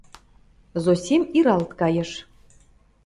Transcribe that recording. — Зосим иралт кайыш.